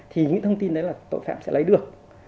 thì những thông tin đấy là tội phạm sẽ lấy được